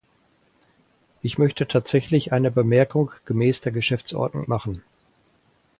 Ich möchte tatsächlich eine Bemerkung gemäß der Geschäftsordnung machen.